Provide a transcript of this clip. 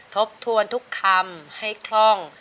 ทบทวนทุกคำให้คล่อง